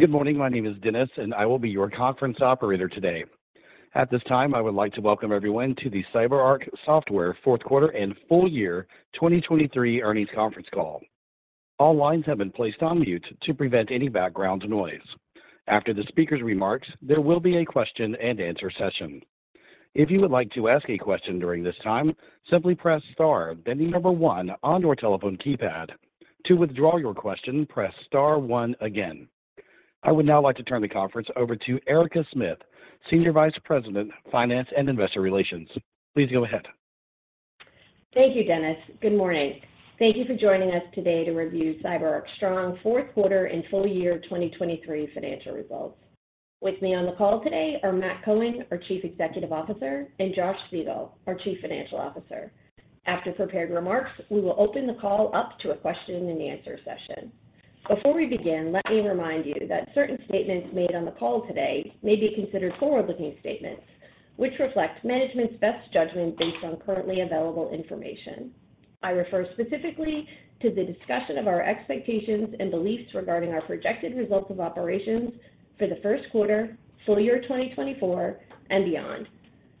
Good morning, my name is Dennis, and I will be your conference operator today. At this time, I would like to welcome everyone to the CyberArk Software fourth quarter and full year 2023 earnings conference call. All lines have been placed on mute to prevent any background noise. After the speaker's remarks, there will be a question and answer session. If you would like to ask a question during this time, simply press star, then the number one on your telephone keypad. To withdraw your question, press star one again. I would now like to turn the conference over to Erica Smith, Senior Vice President, Finance and Investor Relations. Please go ahead. Thank you, Dennis. Good morning. Thank you for joining us today to review CyberArk's strong fourth quarter and full year 2023 financial results. With me on the call today are Matt Cohen, our Chief Executive Officer, and Josh Siegel, our Chief Financial Officer. After prepared remarks, we will open the call up to a question and answer session. Before we begin, let me remind you that certain statements made on the call today may be considered forward-looking statements, which reflect management's best judgment based on currently available information. I refer specifically to the discussion of our expectations and beliefs regarding our projected results of operations for the first quarter, full year 2024, and beyond.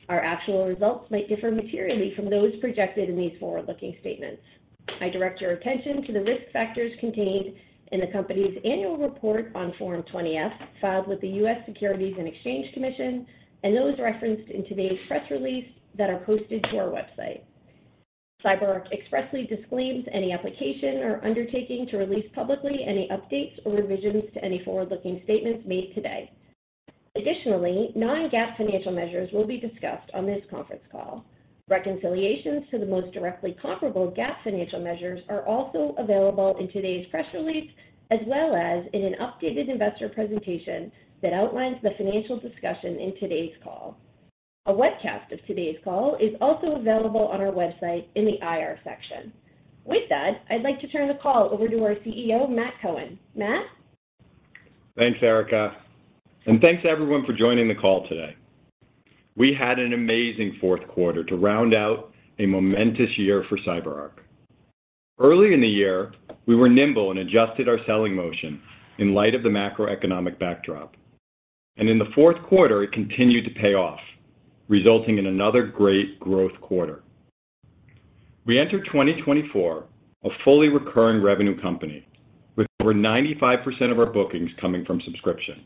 Our actual results might differ materially from those projected in these forward-looking statements. I direct your attention to the risk factors contained in the company's Annual Report on Form 20-F, filed with the U.S. Securities and Exchange Commission, and those referenced in today's press release that are posted to our website. CyberArk expressly disclaims any application or undertaking to release publicly any updates or revisions to any forward-looking statements made today. Additionally, non-GAAP financial measures will be discussed on this conference call. Reconciliations to the most directly comparable GAAP financial measures are also available in today's press release, as well as in an updated investor presentation that outlines the financial discussion in today's call. A webcast of today's call is also available on our website in the IR section. With that, I'd like to turn the call over to our CEO, Matt Cohen. Matt? Thanks, Erica, and thanks, everyone, for joining the call today. We had an amazing fourth quarter to round out a momentous year for CyberArk. Early in the year, we were nimble and adjusted our selling motion in light of the macroeconomic backdrop, and in the fourth quarter, it continued to pay off, resulting in another great growth quarter. We entered 2024, a fully recurring revenue company with over 95% of our bookings coming from subscription.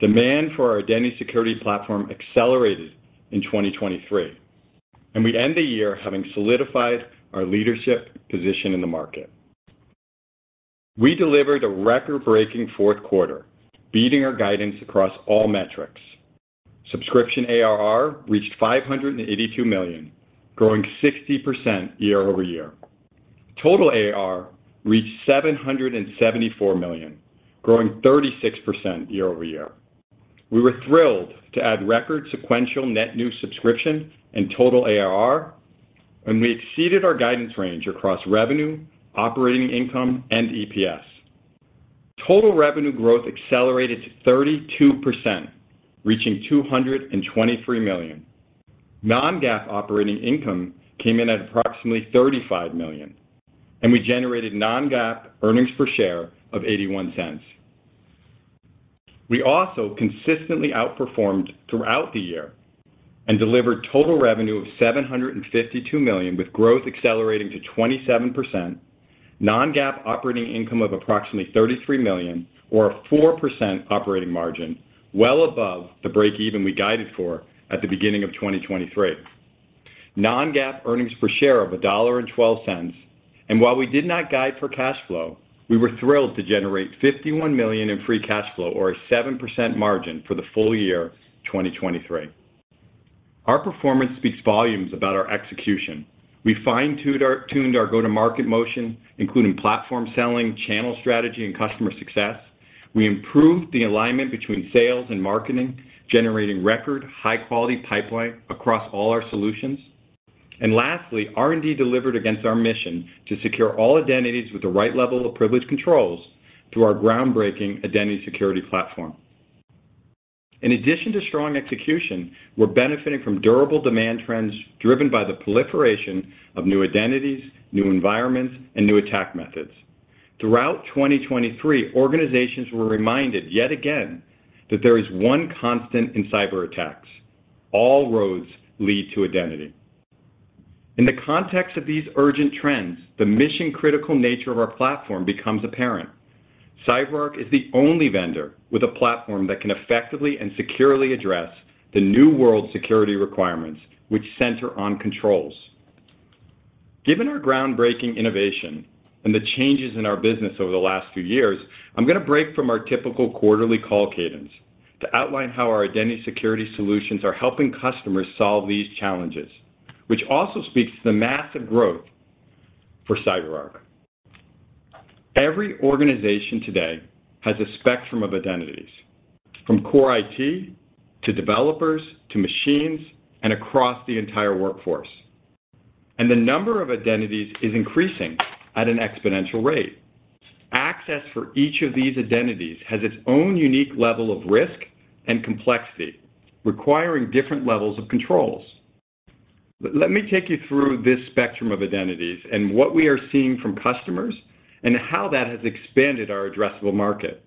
Demand for our Identity Security Platform accelerated in 2023, and we end the year having solidified our leadership position in the market. We delivered a record-breaking fourth quarter, beating our guidance across all metrics. Subscription ARR reached $582 million, growing 60% year-over-year. Total ARR reached $774 million, growing 36% year-over-year. We were thrilled to add record sequential net new subscription and total ARR, and we exceeded our guidance range across revenue, operating income, and EPS. Total revenue growth accelerated to 32%, reaching $223 million. Non-GAAP operating income came in at approximately $35 million, and we generated non-GAAP earnings per share of $0.81. We also consistently outperformed throughout the year and delivered total revenue of $752 million, with growth accelerating to 27%, non-GAAP operating income of approximately $33 million or a 4% operating margin, well above the breakeven we guided for at the beginning of 2023. Non-GAAP earnings per share of $1.12, and while we did not guide for cash flow, we were thrilled to generate $51 million in free cash flow or a 7% margin for the full year 2023. Our performance speaks volumes about our execution. We fine-tuned our go-to-market motion, including platform selling, channel strategy, and customer success. We improved the alignment between sales and marketing, generating record high-quality pipeline across all our solutions. Lastly, R&D delivered against our mission to secure all identities with the right level of privilege controls through our groundbreaking Identity Security Platform. In addition to strong execution, we're benefiting from durable demand trends driven by the proliferation of new identities, new environments, and new attack methods. Throughout 2023, organizations were reminded yet again that there is one constant in cyberattacks: all roads lead to identity. In the context of these urgent trends, the mission-critical nature of our platform becomes apparent. CyberArk is the only vendor with a platform that can effectively and securely address the new world security requirements, which center on controls. Given our groundbreaking innovation and the changes in our business over the last few years, I'm going to break from our typical quarterly call cadence to outline how our identity security solutions are helping customers solve these challenges, which also speaks to the massive growth for CyberArk. Every organization today has a spectrum of identities, from core IT, to developers, to machines, and across the entire workforce, and the number of identities is increasing at an exponential rate. Access for each of these identities has its own unique level of risk and complexity, requiring different levels of controls. Let me take you through this spectrum of identities and what we are seeing from customers and how that has expanded our addressable market.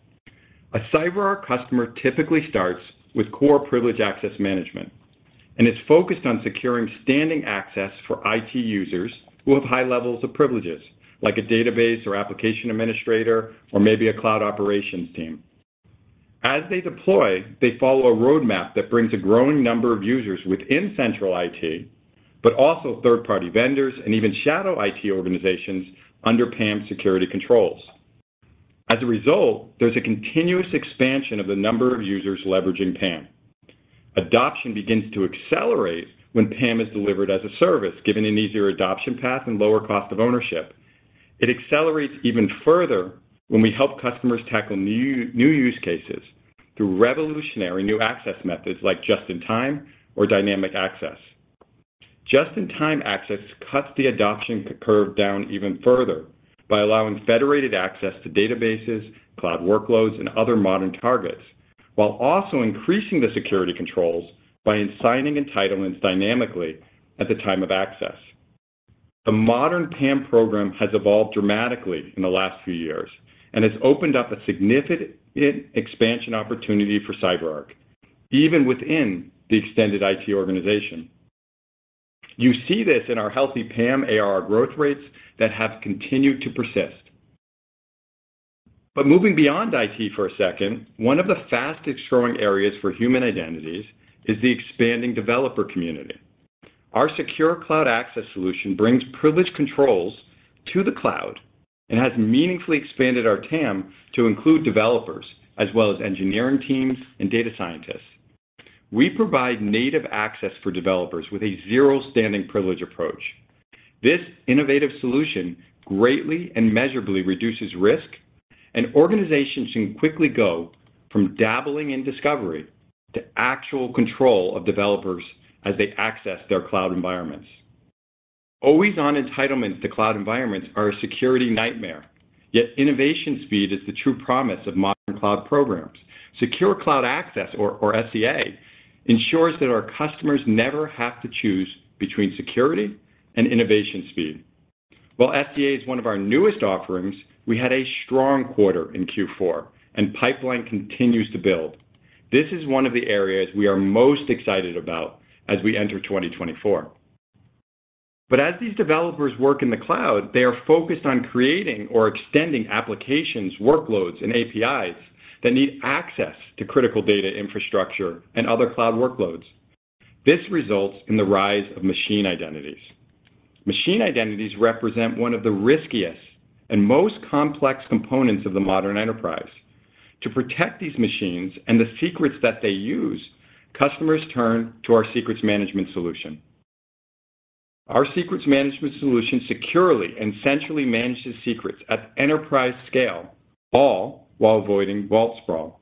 A CyberArk customer typically starts with core Privileged Access Management, and it's focused on securing standing access for IT users who have high levels of privileges, like a database or application administrator or maybe a cloud operations team. As they deploy, they follow a roadmap that brings a growing number of users within central IT, but also third-party vendors and even shadow IT organizations under PAM security controls. As a result, there's a continuous expansion of the number of users leveraging PAM. Adoption begins to accelerate when PAM is delivered as a service, given an easier adoption path and lower cost of ownership. It accelerates even further when we help customers tackle new use cases through revolutionary new access methods like just-in-time or dynamic access. Just-in-Time Access cuts the adoption curve down even further by allowing federated access to databases, cloud workloads, and other modern targets, while also increasing the security controls by assigning entitlements dynamically at the time of access. The modern PAM program has evolved dramatically in the last few years and has opened up a significant expansion opportunity for CyberArk, even within the extended IT organization. You see this in our healthy PAM ARR growth rates that have continued to persist. But moving beyond IT for a second, one of the fastest-growing areas for human identities is the expanding developer community. Our Secure Cloud Access solution brings privilege controls to the cloud and has meaningfully expanded our TAM to include developers, as well as engineering teams and data scientists. We provide native access for developers with a zero standing privilege approach. This innovative solution greatly and measurably reduces risk, and organizations can quickly go from dabbling in discovery to actual control of developers as they access their cloud environments. Always-on entitlements to cloud environments are a security nightmare, yet innovation speed is the true promise of modern cloud programs. Secure Cloud Access, or SCA, ensures that our customers never have to choose between security and innovation speed. While SCA is one of our newest offerings, we had a strong quarter in Q4, and pipeline continues to build. This is one of the areas we are most excited about as we enter 2024. But as these developers work in the cloud, they are focused on creating or extending applications, workloads, and APIs that need access to critical data infrastructure and other cloud workloads. This results in the rise of machine identities. Machine identities represent one of the riskiest and most complex components of the modern enterprise. To protect these machines and the secrets that they use, customers turn to our Secrets Management solution. Our Secrets Management solution securely and centrally manages secrets at enterprise scale, all while avoiding vault sprawl.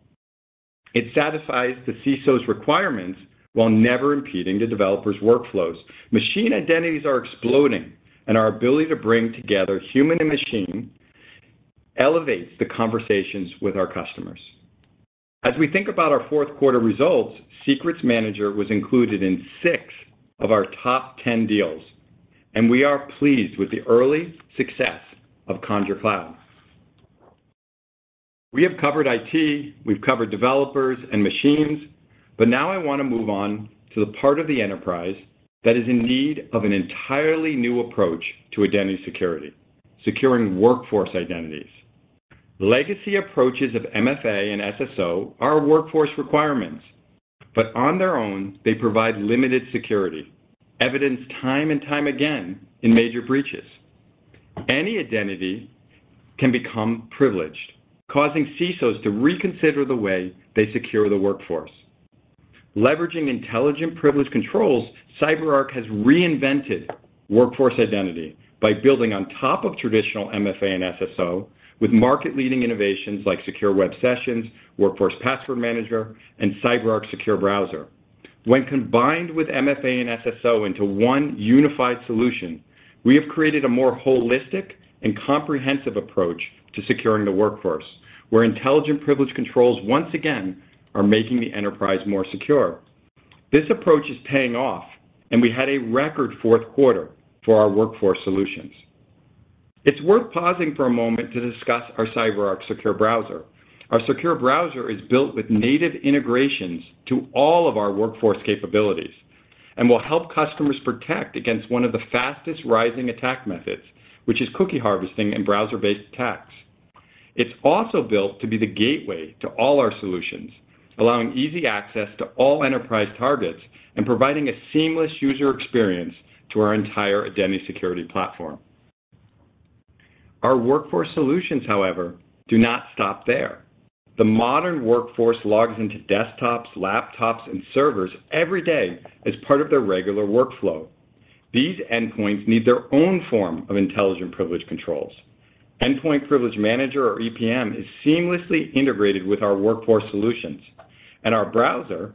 It satisfies the CISO's requirements while never impeding the developers' workflows. Machine identities are exploding, and our ability to bring together human and machine elevates the conversations with our customers. As we think about our fourth quarter results, Secrets Manager was included in six of our top 10 deals, and we are pleased with the early success of Conjur Cloud. We have covered IT, we've covered developers and machines, but now I want to move on to the part of the enterprise that is in need of an entirely new approach to identity security, securing workforce identities. Legacy approaches of MFA and SSO are workforce requirements, but on their own, they provide limited security, evidenced time and time again in major breaches. Any identity can become privileged, causing CISOs to reconsider the way they secure the workforce. Leveraging intelligent privilege controls, CyberArk has reinvented workforce identity by building on top of traditional MFA and SSO with market-leading innovations like Secure Web Sessions, Workforce Password Manager, and CyberArk Secure Browser. When combined with MFA and SSO into one unified solution, we have created a more holistic and comprehensive approach to securing the workforce, where intelligent privilege controls once again are making the enterprise more secure. This approach is paying off, and we had a record fourth quarter for our workforce solutions. It's worth pausing for a moment to discuss our CyberArk Secure Browser. Our Secure Browser is built with native integrations to all of our workforce capabilities and will help customers protect against one of the fastest rising attack methods, which is cookie harvesting and browser-based attacks. It's also built to be the gateway to all our solutions, allowing easy access to all enterprise targets and providing a seamless user experience to our entire Identity Security Platform. Our workforce solutions, however, do not stop there. The modern workforce logs into desktops, laptops, and servers every day as part of their regular workflow. These endpoints need their own form of intelligent privilege controls. Endpoint Privilege Manager, or EPM, is seamlessly integrated with our workforce solutions and our browser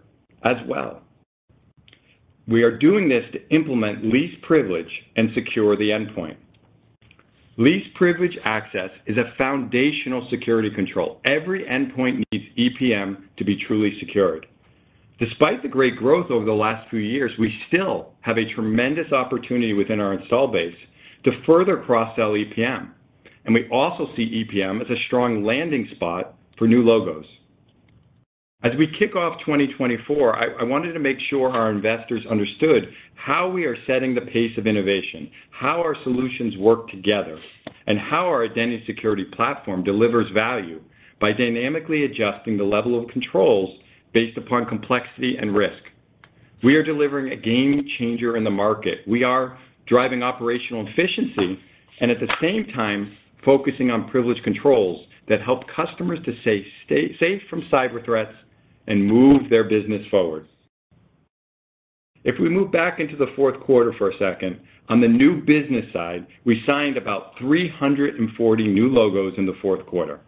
as well. We are doing this to implement least privilege and secure the endpoint. Least privilege access is a foundational security control. Every endpoint needs EPM to be truly secured. Despite the great growth over the last few years, we still have a tremendous opportunity within our install base to further cross-sell EPM, and we also see EPM as a strong landing spot for new logos. As we kick off 2024, I wanted to make sure our investors understood how we are setting the pace of innovation, how our solutions work together, and how our Identity Security Platform delivers value by dynamically adjusting the level of controls based upon complexity and risk. We are delivering a game changer in the market. We are driving operational efficiency and at the same time, focusing on privileged controls that help customers to stay safe from cyber threats and move their business forward. If we move back into the fourth quarter for a second, on the new business side, we signed about 340 new logos in the fourth quarter.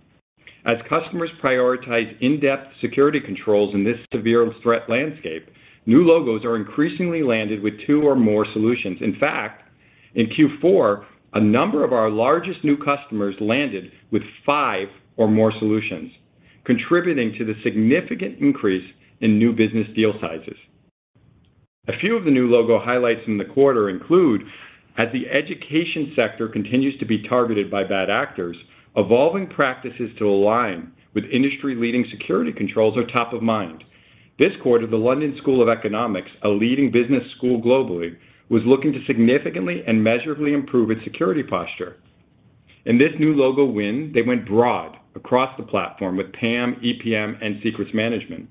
As customers prioritize in-depth security controls in this severe threat landscape, new logos are increasingly landed with 2 or more solutions. In fact, in Q4, a number of our largest new customers landed with 5 or more solutions, contributing to the significant increase in new business deal sizes. A few of the new logo highlights in the quarter include. As the education sector continues to be targeted by bad actors, evolving practices to align with industry-leading security controls are top of mind. This quarter, the London School of Economics, a leading business school globally, was looking to significantly and measurably improve its security posture. In this new logo win, they went broad across the platform with PAM, EPM, and Secrets Management.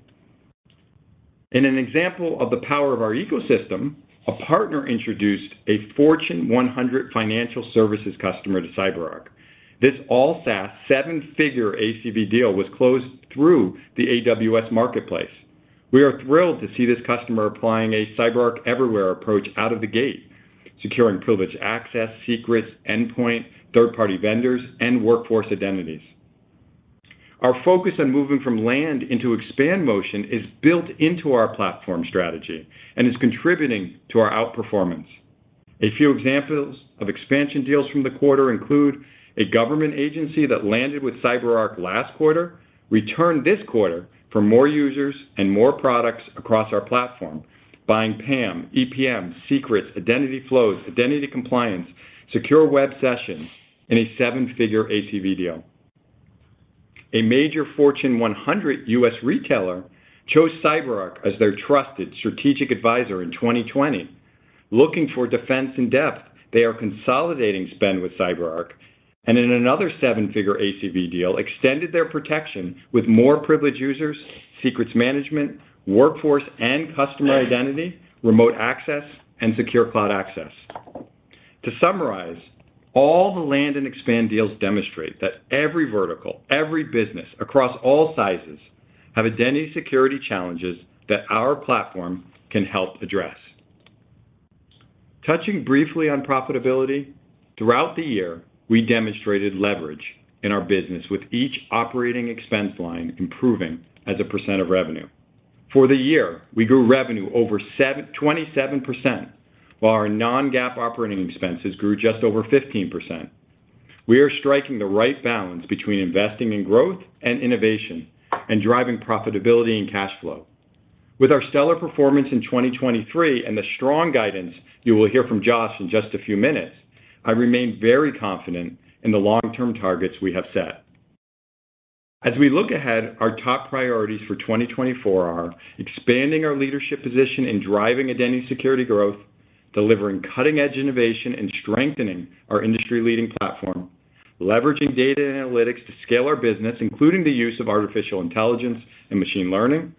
In an example of the power of our ecosystem, a partner introduced a Fortune 100 financial services customer to CyberArk. This all SaaS seven-figure ACV deal was closed through the AWS Marketplace. We are thrilled to see this customer applying a CyberArk everywhere approach out of the gate, securing privileged access, secrets, endpoint, third-party vendors, and workforce identities. Our focus on moving from land into expand motion is built into our platform strategy and is contributing to our outperformance. A few examples of expansion deals from the quarter include a government agency that landed with CyberArk last quarter, returned this quarter for more users and more products across our platform, buying PAM, EPM, Secrets, Identity Flows, Identity Compliance, Secure Web Sessions, in a seven-figure ACV deal. A major Fortune 100 US retailer chose CyberArk as their trusted strategic advisor in 2020. Looking for defense in-depth, they are consolidating spend with CyberArk, and in another seven-figure ACV deal, extended their protection with more privileged users, Secrets Management, workforce and customer identity, Remote Access, and Secure Cloud Access. To summarize, all the land and expand deals demonstrate that every vertical, every business across all sizes, have identity security challenges that our platform can help address. Touching briefly on profitability, throughout the year, we demonstrated leverage in our business with each operating expense line improving as a percent of revenue. For the year, we grew revenue over 27%, while our non-GAAP operating expenses grew just over 15%. We are striking the right balance between investing in growth and innovation and driving profitability and cash flow. With our stellar performance in 2023 and the strong guidance you will hear from Josh in just a few minutes, I remain very confident in the long-term targets we have set. As we look ahead, our top priorities for 2024 are: expanding our leadership position in driving identity security growth, delivering cutting-edge innovation, and strengthening our industry-leading platform, leveraging data and analytics to scale our business, including the use of artificial intelligence and machine learning,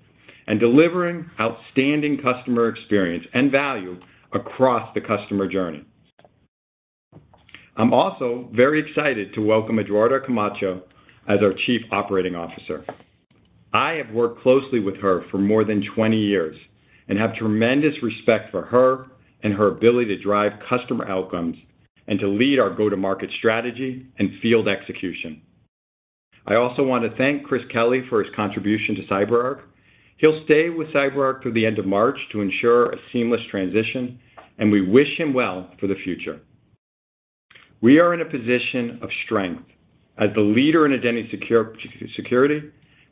and delivering outstanding customer experience and value across the customer journey. I'm also very excited to welcome Eduarda Camacho as our Chief Operating Officer. I have worked closely with her for more than 20 years and have tremendous respect for her and her ability to drive customer outcomes and to lead our go-to-market strategy and field execution. I also want to thank Chris Kelley for his contribution to CyberArk. He'll stay with CyberArk through the end of March to ensure a seamless transition, and we wish him well for the future. We are in a position of strength as the leader in identity security,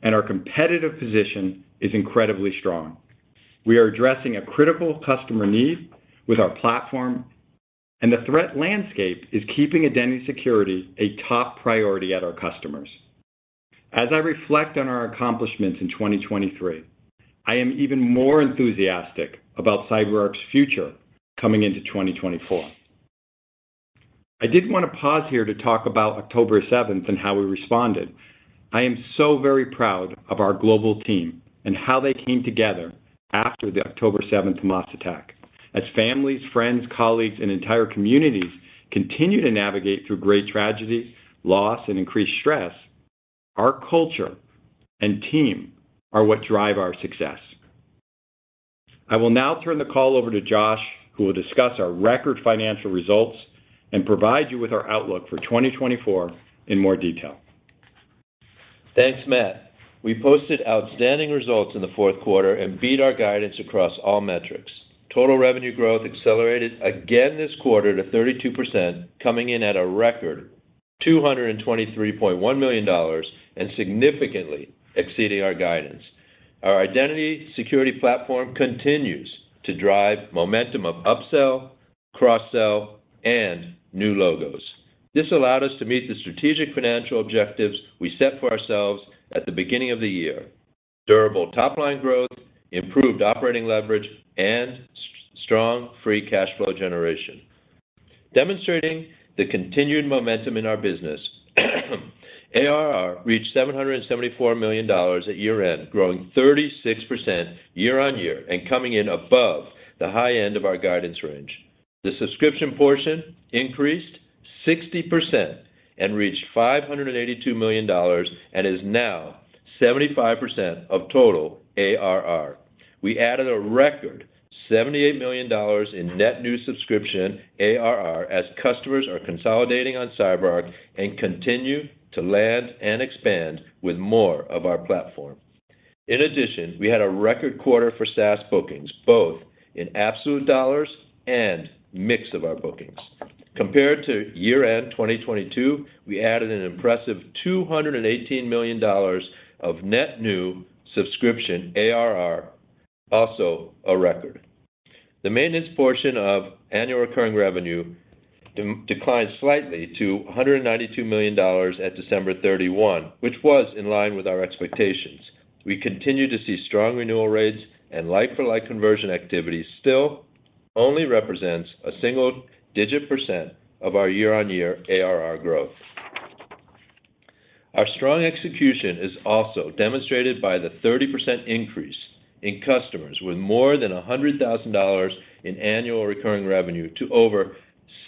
and our competitive position is incredibly strong. We are addressing a critical customer need with our platform, and the threat landscape is keeping identity security a top priority at our customers. As I reflect on our accomplishments in 2023, I am even more enthusiastic about CyberArk's future coming into 2024. I did want to pause here to talk about October seventh and how we responded. I am so very proud of our global team and how they came together after the October seventh Hamas attack. As families, friends, colleagues, and entire communities continue to navigate through great tragedy, loss, and increased stress, our culture and team are what drive our success. I will now turn the call over to Josh, who will discuss our record financial results and provide you with our outlook for 2024 in more detail. Thanks, Matt. We posted outstanding results in the fourth quarter and beat our guidance across all metrics. Total revenue growth accelerated again this quarter to 32%, coming in at a record $223.1 million, and significantly exceeding our guidance. Our Identity Security Platform continues to drive momentum of upsell, cross-sell, and new logos. This allowed us to meet the strategic financial objectives we set for ourselves at the beginning of the year. Durable top-line growth, improved operating leverage, and strong free cash flow generation. Demonstrating the continued momentum in our business, ARR reached $774 million at year-end, growing 36% year-on-year and coming in above the high end of our guidance range. The subscription portion increased 60% and reached $582 million, and is now 75% of total ARR. We added a record $78 million in net new subscription ARR, as customers are consolidating on CyberArk and continue to land and expand with more of our platform. In addition, we had a record quarter for SaaS bookings, both in absolute dollars and mix of our bookings. Compared to year-end 2022, we added an impressive $218 million of net new subscription ARR, also a record. The maintenance portion of annual recurring revenue declined slightly to $192 million at 31 December, which was in line with our expectations. We continue to see strong renewal rates and like-for-like conversion activity still only represents a single-digit % of our year-on-year ARR growth. Our strong execution is also demonstrated by the 30% increase in customers with more than $100,000 in annual recurring revenue to over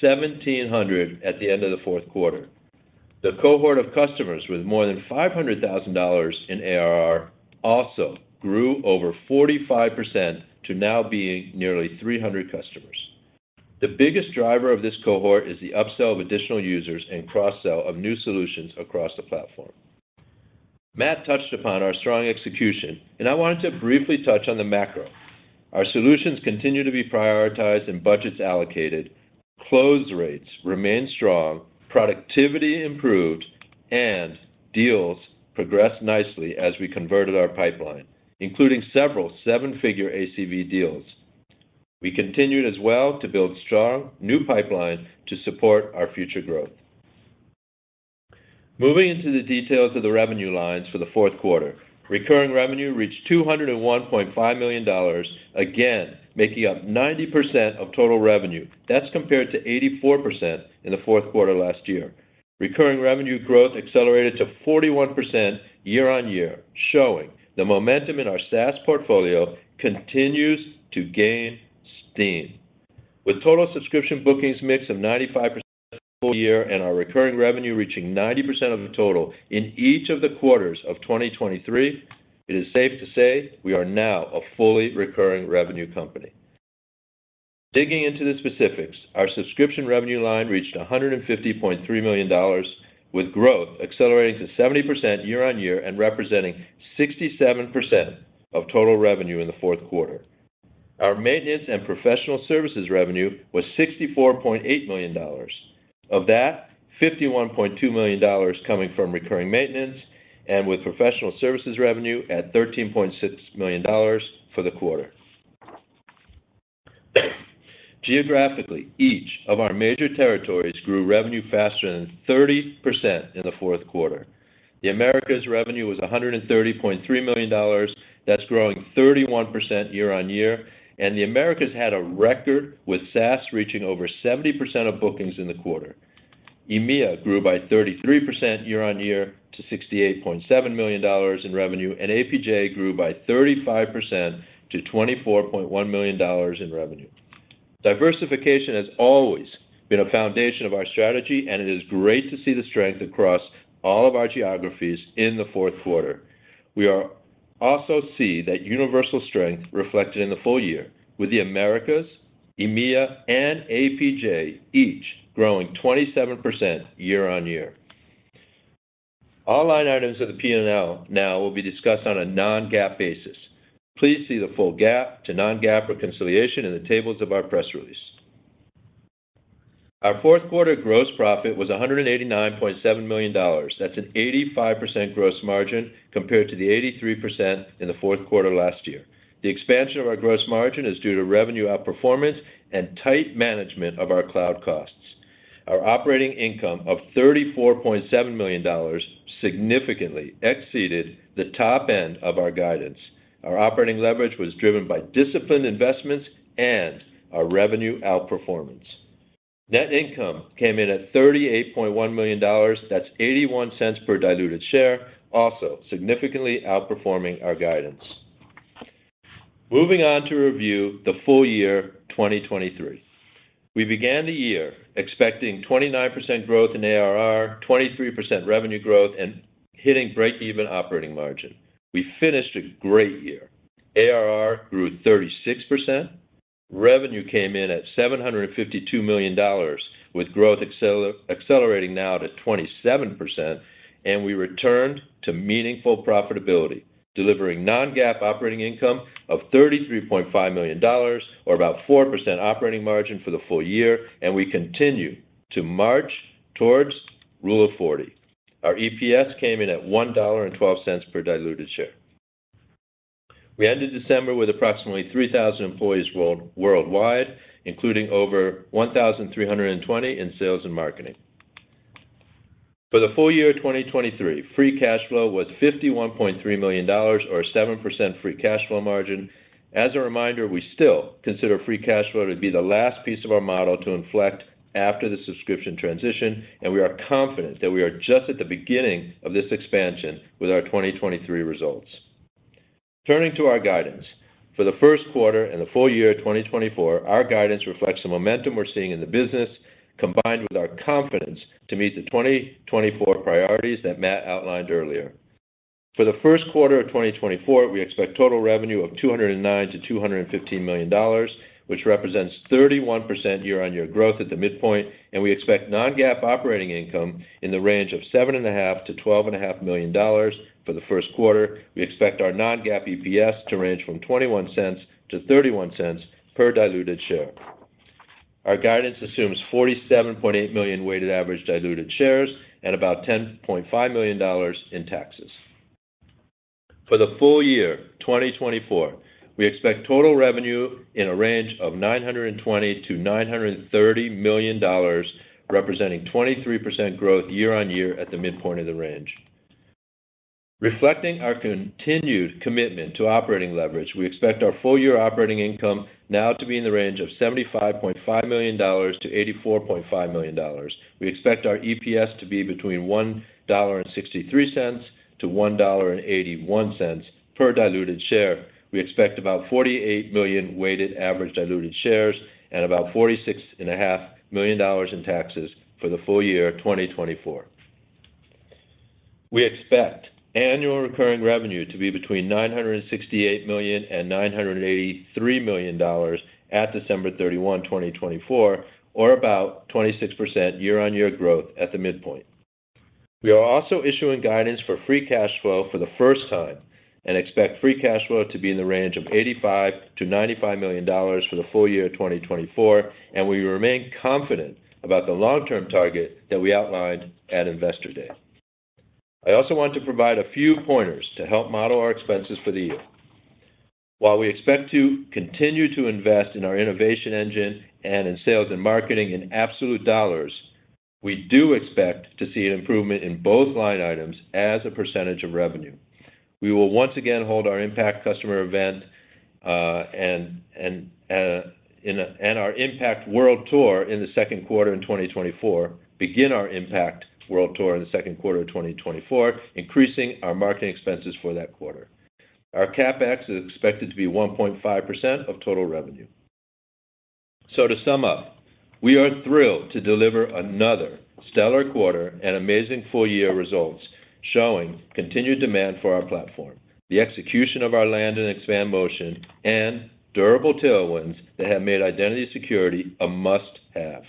1,700 at the end of the fourth quarter. The cohort of customers with more than $500,000 in ARR also grew over 45% to now being nearly 300 customers. The biggest driver of this cohort is the upsell of additional users and cross-sell of new solutions across the platform. Matt touched upon our strong execution, and I wanted to briefly touch on the macro. Our solutions continue to be prioritized and budgets allocated. Close rates remain strong, productivity improved, and deals progressed nicely as we converted our pipeline, including several seven-figure ACV deals. We continued as well to build strong new pipeline to support our future growth. Moving into the details of the revenue lines for the fourth quarter. Recurring revenue reached $201.5 million, again, making up 90% of total revenue. That's compared to 84% in the fourth quarter last year. Recurring revenue growth accelerated to 41% year-on-year, showing the momentum in our SaaS portfolio continues to gain steam. With total subscription bookings mix of 95% full year, and our recurring revenue reaching 90% of the total in each of the quarters of 2023, it is safe to say we are now a fully recurring revenue company. Digging into the specifics, our subscription revenue line reached $150.3 million, with growth accelerating to 70% year-on-year and representing 67% of total revenue in the fourth quarter. Our maintenance and professional services revenue was $64.8 million. Of that, $51.2 million coming from recurring maintenance and with professional services revenue at $13.6 million for the quarter. Geographically, each of our major territories grew revenue faster than 30% in the fourth quarter. The Americas revenue was $130.3 million. That's growing 31% year-on-year, and the Americas had a record with SaaS reaching over 70% of bookings in the quarter. EMEA grew by 33% year-on-year to $68.7 million in revenue, and APJ grew by 35% to $24.1 million in revenue. Diversification has always been a foundation of our strategy, and it is great to see the strength across all of our geographies in the fourth quarter. We also see that universal strength reflected in the full year with the Americas, EMEA, and APJ, each growing 27% year-over-year. All line items of the P&L now will be discussed on a non-GAAP basis. Please see the full GAAP to non-GAAP reconciliation in the tables of our press release. Our fourth quarter gross profit was $189.7 million. That's an 85% gross margin, compared to the 83% in the fourth quarter last year. The expansion of our gross margin is due to revenue outperformance and tight management of our cloud costs. Our operating income of $34.7 million significantly exceeded the top end of our guidance. Our operating leverage was driven by disciplined investments and our revenue outperformance. Net income came in at $38.1 million. That's $0.81 per diluted share, also significantly outperforming our guidance. Moving on to review the full year 2023. We began the year expecting 29% growth in ARR, 23% revenue growth, and hitting break-even operating margin. We finished a great year. ARR grew 36%. Revenue came in at $752 million, with growth accelerating now to 27%, and we returned to meaningful profitability. Delivering non-GAAP operating income of $33.5 million or about 4% operating margin for the full year, and we continue to march towards Rule of 40. Our EPS came in at $1.12 per diluted share. We ended December with approximately 3,000 employees worldwide, including over 1,320 in sales and marketing. For the full year 2023, free cash flow was $51.3 million or a 7% free cash flow margin. As a reminder, we still consider free cash flow to be the last piece of our model to inflect after the subscription transition, and we are confident that we are just at the beginning of this expansion with our 2023 results. Turning to our guidance, for the first quarter and the full year 2024, our guidance reflects the momentum we're seeing in the business, combined with our confidence to meet the 2024 priorities that Matt outlined earlier. For the first quarter of 2024, we expect total revenue of $209 million-$215 million, which represents 31% year-on-year growth at the midpoint, and we expect non-GAAP operating income in the range of $7.5 million-$12.5 million for the first quarter. We expect our non-GAAP EPS to range from $0.21-$0.31 per diluted share. Our guidance assumes 47.8 million weighted average diluted shares and about $10.5 million in taxes. For the full year 2024, we expect total revenue in a range of $920 million-$930 million, representing 23% year-on-year growth at the midpoint of the range. Reflecting our continued commitment to operating leverage, we expect our full year operating income now to be in the range of $75.5 million-$84.5 million. We expect our EPS to be between $1.63-$1.81 per diluted share. We expect about 48 million weighted average diluted shares and about $46.5 million in taxes for the full year 2024. We expect annual recurring revenue to be between $968 million and $983 million at December 31, 2024, or about 26% year-on-year growth at the midpoint. We are also issuing guidance for Free Cash Flow for the first time and expect Free Cash Flow to be in the range of $85 million-$95 million for the full year 2024, and we remain confident about the long-term target that we outlined at Investor Day. I also want to provide a few pointers to help model our expenses for the year. While we expect to continue to invest in our innovation engine and in sales and marketing in absolute dollars, we do expect to see an improvement in both line items as a percentage of revenue. We will once again hold our Impact customer event, and our Impact World Tour in the second quarter in 2024, increasing our marketing expenses for that quarter. Our CapEx is expected to be 1.5% of total revenue. To sum up, we are thrilled to deliver another stellar quarter and amazing full year results, showing continued demand for our platform, the execution of our land and expand motion, and durable tailwinds that have made identity security a must-have.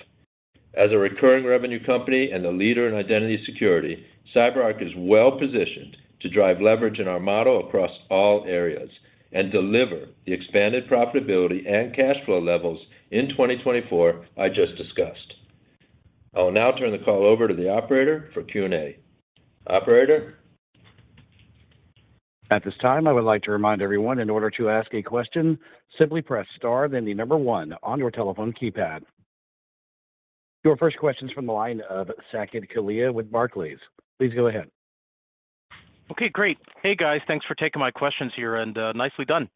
As a recurring revenue company and a leader in identity security, CyberArk is well positioned to drive leverage in our model across all areas and deliver the expanded profitability and cash flow levels in 2024, I just discussed. I will now turn the call over to the operator for Q&A. Operator? At this time, I would like to remind everyone in order to ask a question, simply press star, then the number one on your telephone keypad. Your first question is from the line of Saket Kalia with Barclays. Please go ahead. Okay, great. Hey, guys. Thanks for taking my questions here, and nicely done.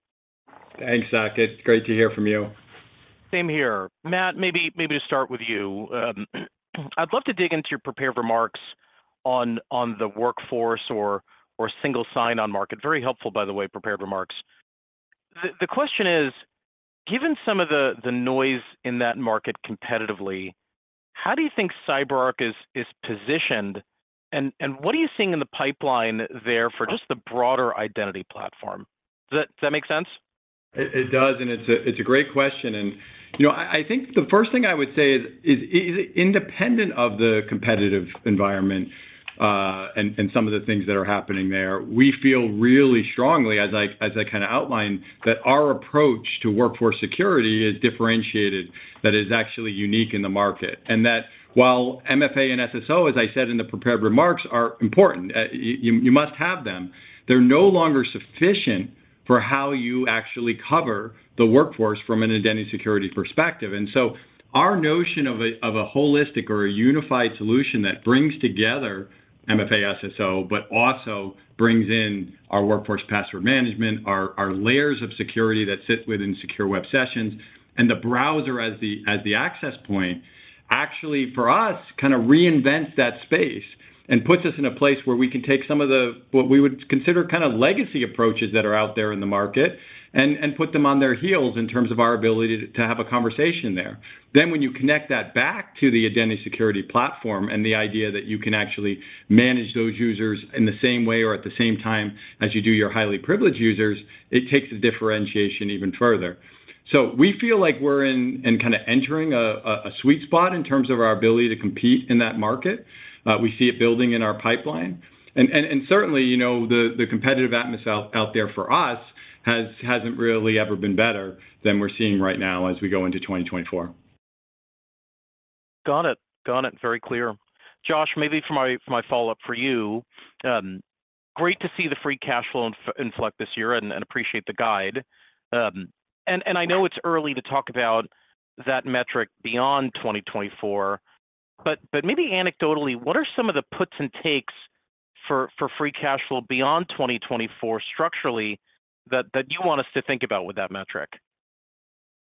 Thanks, Saket. It's great to hear from you. Same here. Matt, maybe to start with you. I'd love to dig into your prepared remarks on the workforce or single sign-on market. Very helpful, by the way, prepared remarks. The question is: given some of the noise in that market competitively, how do you think CyberArk is positioned, and what are you seeing in the pipeline there for just the broader identity platform? Does that make sense? It does, and it's a great question. You know, I think the first thing I would say is, independent of the competitive environment, and some of the things that are happening there, we feel really strongly, as I kinda outlined, that our approach to workforce security is differentiated, that is actually unique in the market. And that while MFA and SSO, as I said in the prepared remarks, are important, you must have them, they're no longer sufficient for how you actually cover the workforce from an identity security perspective. And so our notion of a holistic or a unified solution that brings together MFA, SSO, but also brings in our workforce password management, our layers of security that sit within Secure Web Sessions, and the browser as the access point, actually, for us, kind of reinvents that space and puts us in a place where we can take some of the what we would consider kind of legacy approaches that are out there in the market, and put them on their heels in terms of our ability to have a conversation there. Then, when you connect that back to the Identity Security Platform, and the idea that you can actually manage those users in the same way or at the same time as you do your highly privileged users, it takes the differentiation even further. So we feel like we're kind of entering a sweet spot in terms of our ability to compete in that market. We see it building in our pipeline. And certainly, you know, the competitive atmosphere out there for us hasn't really ever been better than we're seeing right now as we go into 2024. Got it. Got it. Very clear. Josh, maybe for my, for my follow-up for you, great to see the Free Cash Flow in flux this year, and appreciate the guide. And I know it's early to talk about that metric beyond 2024, but maybe anecdotally, what are some of the puts and takes for Free Cash Flow beyond 2024 structurally, that you want us to think about with that metric?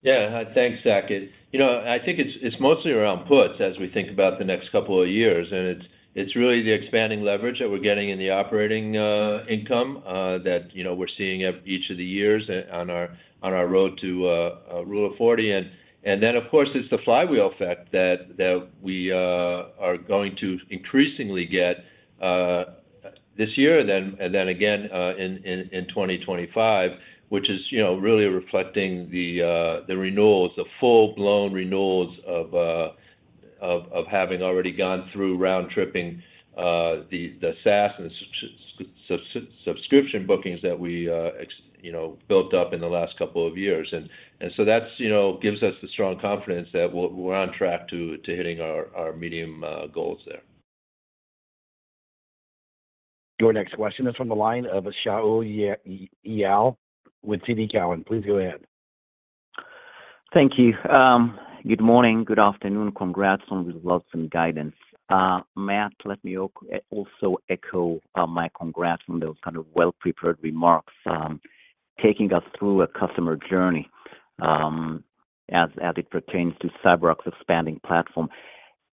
Yeah. Thanks, Saket. You know, I think it's, it's mostly around puts as we think about the next couple of years, and it's, it's really the expanding leverage that we're getting in the operating income that, you know, we're seeing at each of the years on our, on our road to Rule of 40. And, and then, of course, it's the flywheel effect that, that we are going to increasingly get this year and then, and then again in 2025, which is, you know, really reflecting the, the renewals, the full-blown renewals of having already gone through round-tripping the SaaS and subscription bookings that we, you know, built up in the last couple of years. So that's, you know, gives us the strong confidence that we're on track to hitting our medium goals there. Your next question is from the line of Shaul Eyal with Cowen. Please go ahead. Thank you. Good morning, good afternoon. Congrats on the results and guidance. Matt, let me also echo my congrats on those kind of well-prepared remarks, taking us through a customer journey as it pertains to CyberArk's expanding platform.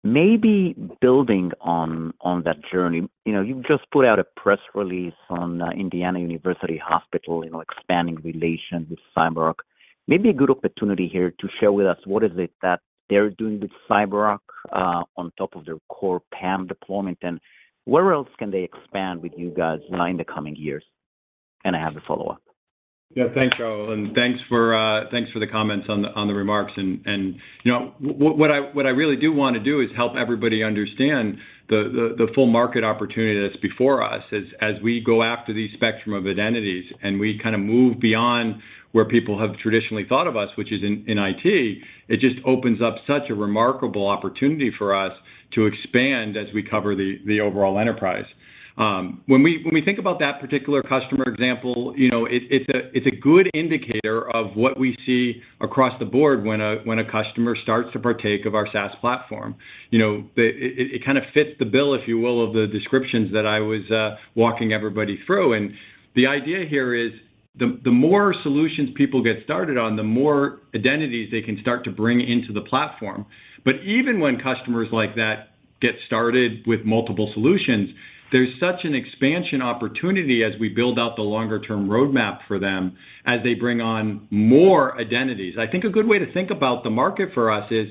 Maybe building on that journey, you know, you've just put out a press release on Indiana University Hospital, you know, expanding relations with CyberArk. Maybe a good opportunity here to share with us what is it that they're doing with CyberArk on top of their core PAM deployment, and where else can they expand with you guys in the coming years? I have a follow-up. Yeah. Thanks, Shaul, and thanks for, thanks for the comments on the remarks. And you know, what I really do wanna do is help everybody understand the full market opportunity that's before us as we go after these spectrum of identities, and we kinda move beyond where people have traditionally thought of us, which is in IT. It just opens up such a remarkable opportunity for us to expand as we cover the overall enterprise. When we think about that particular customer example, you know, it's a good indicator of what we see across the board when a customer starts to partake of our SaaS platform. You know, the. It kinda fits the bill, if you will, of the descriptions that I was walking everybody through. The idea here is, the more solutions people get started on, the more identities they can start to bring into the platform. But even when customers like that get started with multiple solutions, there's such an expansion opportunity as we build out the longer term roadmap for them, as they bring on more identities. I think a good way to think about the market for us is,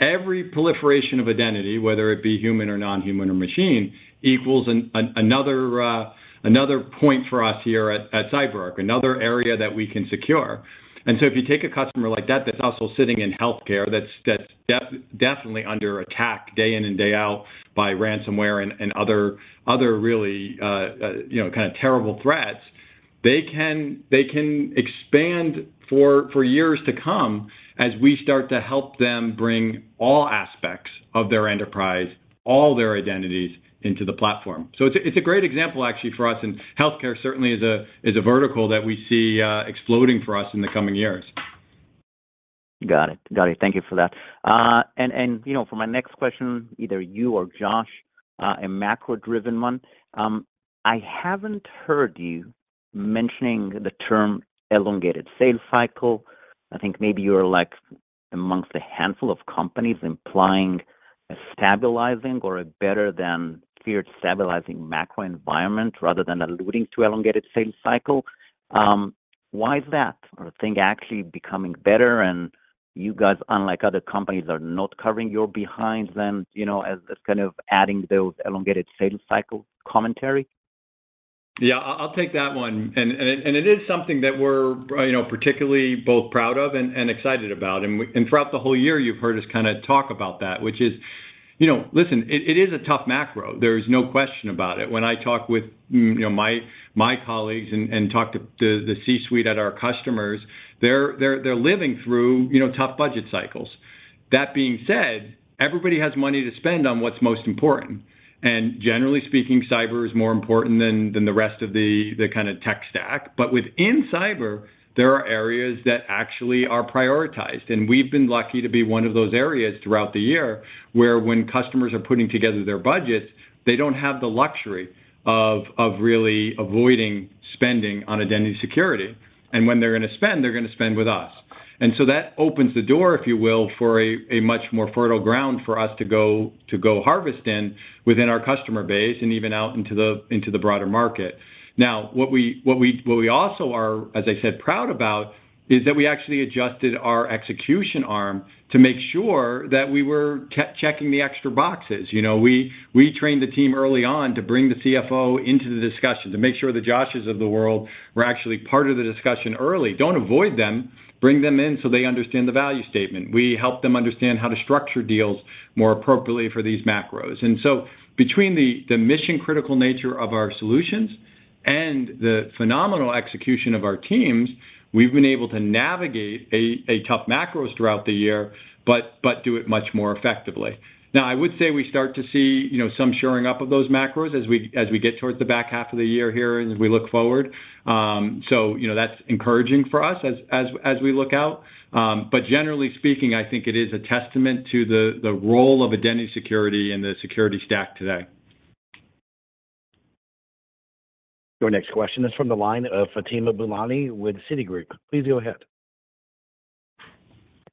every proliferation of identity, whether it be human or non-human or machine, equals another point for us here at CyberArk, another area that we can secure. And so if you take a customer like that, that's also sitting in healthcare, that's definitely under attack day in and day out by ransomware and other really, you know, kinda terrible threats, they can expand for years to come as we start to help them bring all aspects of their enterprise, all their identities into the platform. So it's a great example, actually, for us, and healthcare certainly is a vertical that we see exploding for us in the coming years. Got it. Got it. Thank you for that. And, and, you know, for my next question, either you or Josh, a macro-driven one. I haven't heard you mentioning the term elongated sales cycle. I think maybe you're, like, amongst a handful of companies implying a stabilizing or a better than feared stabilizing macro environment, rather than alluding to elongated sales cycle. Why is that? Are things actually becoming better, and you guys, unlike other companies, are not covering your behinds then, you know, as, as kind of adding those elongated sales cycle commentary? Yeah, I'll take that one. And it is something that we're, you know, particularly both proud of and excited about. And throughout the whole year, you've heard us kinda talk about that, which is you know, listen, it is a tough macro. There's no question about it. When I talk with, you know, my colleagues and talk to the C-suite at our customers, they're living through, you know, tough budget cycles. That being said, everybody has money to spend on what's most important, and generally speaking, cyber is more important than the rest of the kinda tech stack. But within cyber, there are areas that actually are prioritized, and we've been lucky to be one of those areas throughout the year, where when customers are putting together their budgets, they don't have the luxury of really avoiding spending on identity security, and when they're gonna spend, they're gonna spend with us. And so that opens the door, if you will, for a much more fertile ground for us to go harvest in within our customer base and even out into the broader market. Now, what we also are, as I said, proud about, is that we actually adjusted our execution arm to make sure that we were checking the extra boxes. You know, we trained the team early on to bring the CFO into the discussion, to make sure the Joshes of the world were actually part of the discussion early. Don't avoid them, bring them in so they understand the value statement. We help them understand how to structure deals more appropriately for these macros. And so between the mission-critical nature of our solutions and the phenomenal execution of our teams, we've been able to navigate a tough macros throughout the year, but do it much more effectively. Now, I would say we start to see, you know, some shoring up of those macros as we get towards the back half of the year here and as we look forward. So, you know, that's encouraging for us as we look out. But generally speaking, I think it is a testament to the role of identity security and the security stack today. Your next question is from the line of Fatima Boolani with Citigroup. Please go ahead.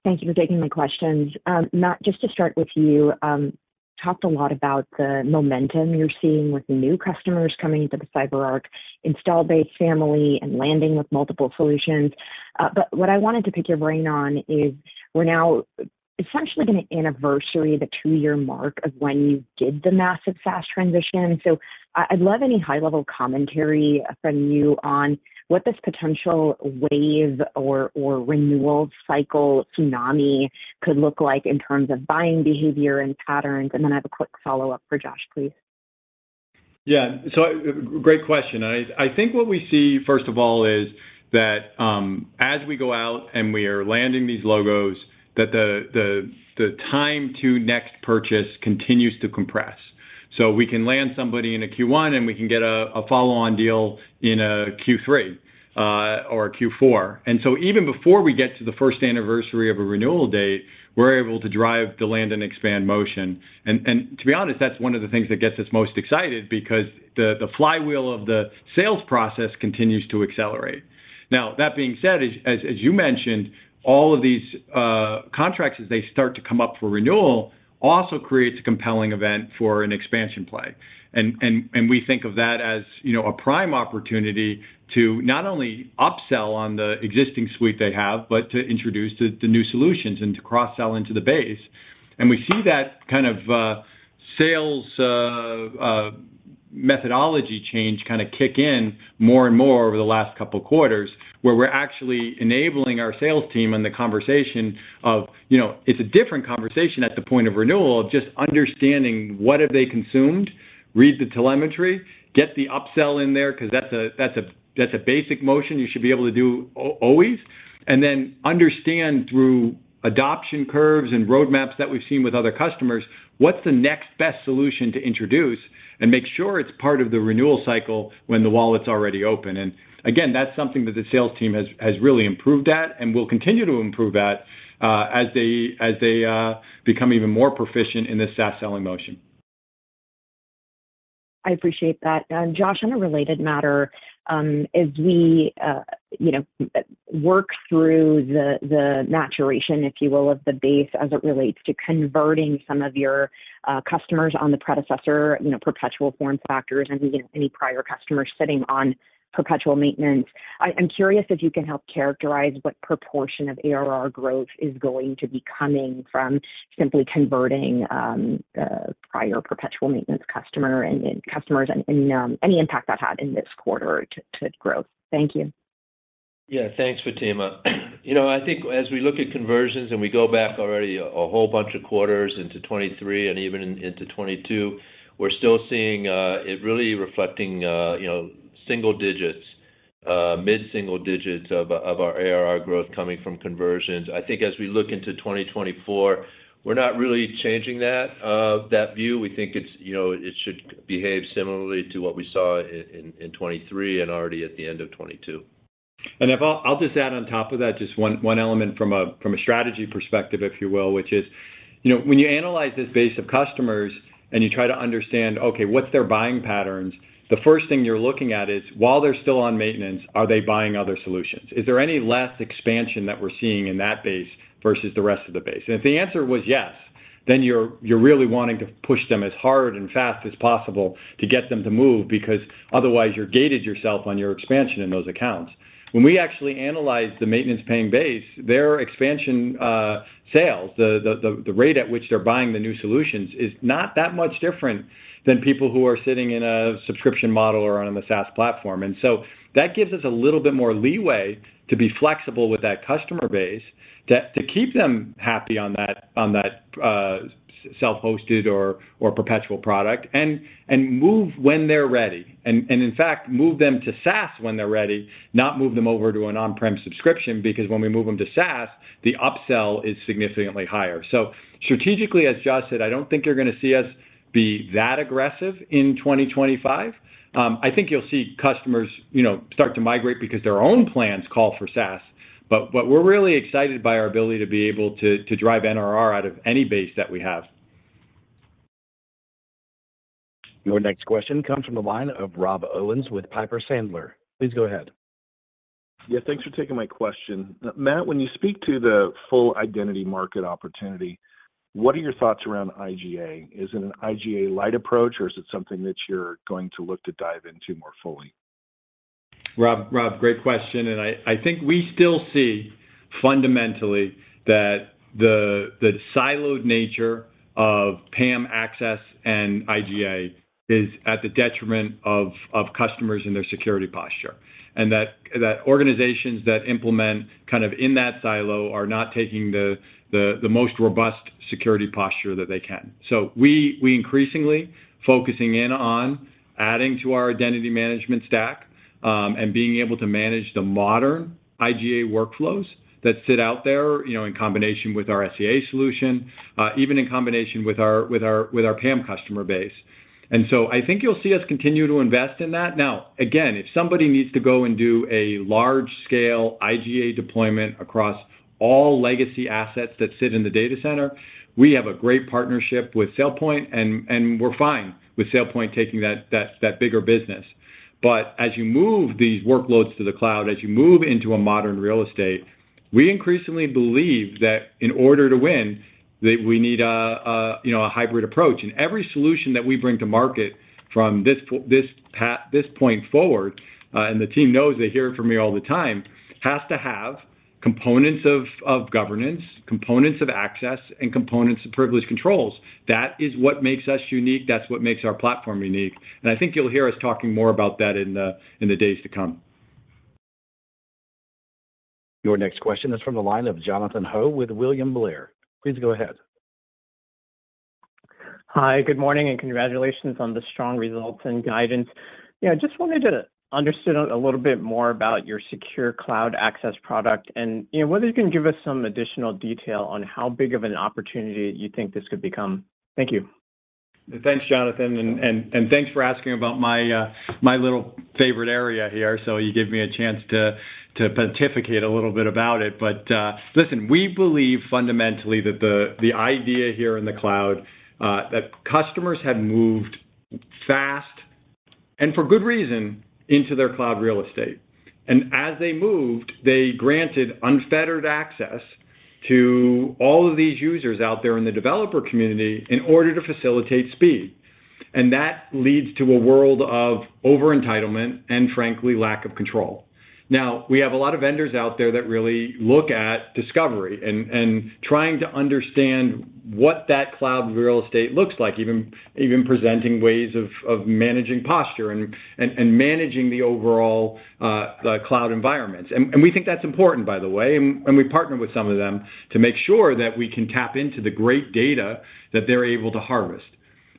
Thank you for taking my questions. Matt, just to start with you, talked a lot about the momentum you're seeing with the new customers coming into the CyberArk install base family and landing with multiple solutions. But what I wanted to pick your brain on is we're now essentially going to anniversary the two-year mark of when you did the massive SaaS transition. So I'd love any high-level commentary from you on what this potential wave or or renewal cycle tsunami could look like in terms of buying behavior and patterns. And then I have a quick follow-up for Josh, please. Yeah. So, great question. I think what we see, first of all, is that, as we go out and we are landing these logos, that the time to next purchase continues to compress. So we can land somebody in a Q1, and we can get a follow-on deal in a Q3, or a Q4. And so even before we get to the first anniversary of a renewal date, we're able to drive the land and expand motion. And to be honest, that's one of the things that gets us most excited because the flywheel of the sales process continues to accelerate. Now, that being said, as you mentioned, all of these contracts, as they start to come up for renewal, also creates a compelling event for an expansion play. We think of that as, you know, a prime opportunity to not only upsell on the existing suite they have, but to introduce the new solutions and to cross-sell into the base. We see that kind of sales methodology change kinda kick in more and more over the last couple of quarters, where we're actually enabling our sales team and the conversation of you know, it's a different conversation at the point of renewal, of just understanding what have they consumed, read the telemetry, get the upsell in there 'cause that's a basic motion you should be able to do always, and then understand through adoption curves and roadmaps that we've seen with other customers, what's the next best solution to introduce, and make sure it's part of the renewal cycle when the wallet's already open. And again, that's something that the sales team has really improved at and will continue to improve at, as they become even more proficient in the SaaS selling motion. I appreciate that. Josh, on a related matter, as we, you know, work through the, the maturation, if you will, of the base as it relates to converting some of your, customers on the predecessor, you know, perpetual form factors and even any prior customers sitting on perpetual maintenance, I'm curious if you can help characterize what proportion of ARR growth is going to be coming from simply converting, the prior perpetual maintenance customer and customers, and any impact that had in this quarter to growth. Thank you. Yeah, thanks, Fatima. You know, I think as we look at conversions and we go back already a whole bunch of quarters into 2023 and even into 2022, we're still seeing it really reflecting you know single digits mid-single digits of our ARR growth coming from conversions. I think as we look into 2024, we're not really changing that view. We think it's you know it should behave similarly to what we saw in 2023 and already at the end of 2022. I'll just add on top of that just one element from a strategy perspective, if you will, which is, you know, when you analyze this base of customers and you try to understand, okay, what's their buying patterns? The first thing you're looking at is, while they're still on maintenance, are they buying other solutions? Is there any less expansion that we're seeing in that base versus the rest of the base? And if the answer was yes, then you're really wanting to push them as hard and fast as possible to get them to move, because otherwise, you're gated yourself on your expansion in those accounts. When we actually analyze the maintenance-paying base, their expansion, sales, the rate at which they're buying the new solutions, is not that much different than people who are sitting in a subscription model or on a SaaS platform. And so that gives us a little bit more leeway to be flexible with that customer base, to keep them happy on that, self-hosted or perpetual product, and move when they're ready. And in fact, move them to SaaS when they're ready, not move them over to an on-prem subscription because when we move them to SaaS, the upsell is significantly higher. So strategically, as Josh said, I don't think you're gonna see us be that aggressive in 2025. I think you'll see customers, you know, start to migrate because their own plans call for SaaS, but what we're really excited by our ability to be able to, to drive NRR out of any base that we have. .Your next question comes from the line of Rob Owens with Piper Sandler. Please go ahead. Yeah, thanks for taking my question. Matt, when you speak to the full identity market opportunity, what are your thoughts around IGA? Is it an IGA light approach, or is it something that you're going to look to dive into more fully? Rob, Rob, great question, and I think we still see fundamentally that the siloed nature of PAM access and IGA is at the detriment of customers and their security posture. And that organizations that implement kind of in that silo are not taking the most robust security posture that they can. So we increasingly focusing in on adding to our identity management stack, and being able to manage the modern IGA workflows that sit out there, you know, in combination with our SCA solution, even in combination with our PAM customer base. And so I think you'll see us continue to invest in that. Now, again, if somebody needs to go and do a large scale IGA deployment across all legacy assets that sit in the data center, we have a great partnership with SailPoint, and we're fine with SailPoint taking that bigger business. But as you move these workloads to the cloud, as you move into a modern real estate, we increasingly believe that in order to win, that we need a, you know, a hybrid approach. And every solution that we bring to market from this point forward, and the team knows, they hear it from me all the time, has to have components of governance, components of access, and components of privilege controls. That is what makes us unique, that's what makes our platform unique. I think you'll hear us talking more about that in the days to come. Your next question is from the line of Jonathan Ho with William Blair. Please go ahead. Hi, good morning, and congratulations on the strong results and guidance. Yeah, I just wanted to understand a little bit more about your Secure Cloud Access product, and, you know, whether you can give us some additional detail on how big of an opportunity you think this could become. Thank you. Thanks, Jonathan. And thanks for asking about my little favorite area here, so you give me a chance to pontificate a little bit about it. But listen, we believe fundamentally that the idea here in the cloud that customers have moved fast, and for good reason, into their cloud real estate. And as they moved, they granted unfettered access to all of these users out there in the developer community in order to facilitate speed. And that leads to a world of over entitlement and frankly, lack of control. Now, we have a lot of vendors out there that really look at discovery and trying to understand what that cloud real estate looks like, even presenting ways of managing posture and managing the overall cloud environments. We think that's important, by the way, and we partner with some of them to make sure that we can tap into the great data that they're able to harvest.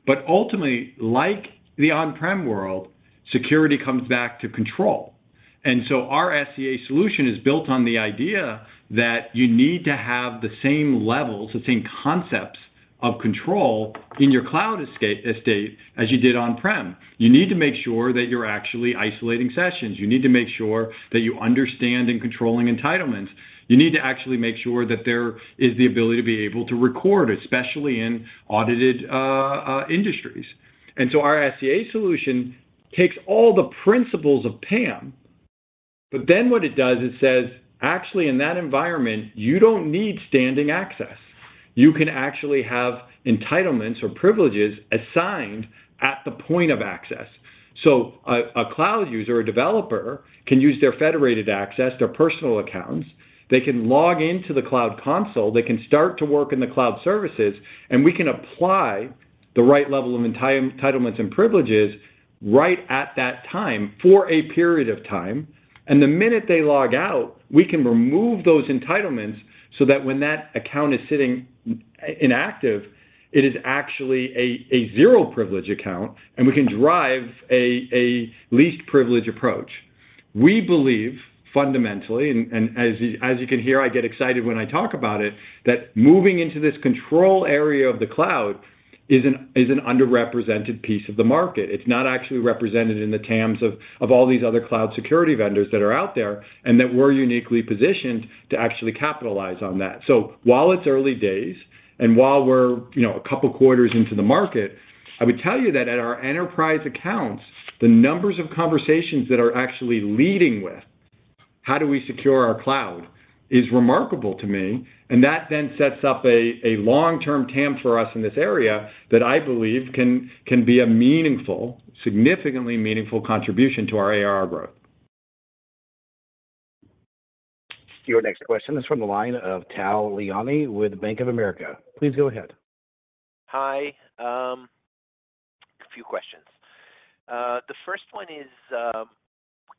But ultimately, like the on-prem world, security comes back to control. And so our SCA solution is built on the idea that you need to have the same levels, the same concepts of control in your cloud estate as you did on-prem. You need to make sure that you're actually isolating sessions. You need to make sure that you understand and controlling entitlements. You need to actually make sure that there is the ability to be able to record, especially in audited industries. And so our SCA solution takes all the principles of PAM, but then what it does, it says, "Actually, in that environment, you don't need standing access. You can actually have entitlements or privileges assigned at the point of access." So a cloud user or developer can use their federated access, their personal accounts, they can log into the cloud console, they can start to work in the cloud services, and we can apply the right level of entitlements and privileges right at that time for a period of time. And the minute they log out, we can remove those entitlements so that when that account is sitting inactive, it is actually a zero privilege account, and we can drive a least privilege approach. We believe, fundamentally, and as you can hear, I get excited when I talk about it, that moving into this control area of the cloud is an underrepresented piece of the market. It's not actually represented in the TAMs of all these other cloud security vendors that are out there, and that we're uniquely positioned to actually capitalize on that. So while it's early days, and while we're, you know, a couple quarters into the market, I would tell you that at our enterprise accounts, the numbers of conversations that are actually leading with, "How do we secure our cloud?" is remarkable to me, and that then sets up a long-term TAM for us in this area that I believe can be a meaningful, significantly meaningful contribution to our ARR growth. Your next question is from the line of Tal Liani with Bank of America. Please go ahead. Hi, a few questions. The first one is,